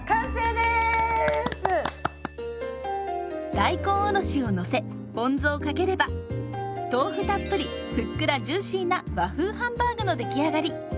大根おろしを載せポン酢をかければ豆腐たっぷりふっくらジューシーな「和風ハンバーグ」の出来上がり！